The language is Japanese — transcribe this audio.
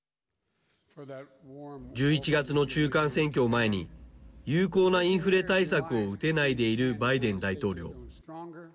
１１月の中間選挙を前に有効なインフレ対策を打てないでいるバイデン大統領。